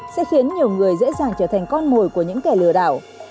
sẽ khiến nhiều người dễ dàng trở thành con mồi của những kẻ lừa đảo